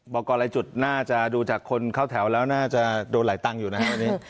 บอกกรรายจุดน่าจะดูจากคนเข้าแถวแล้วน่าจะโดนหลายตังค์อยู่นะครับวันนี้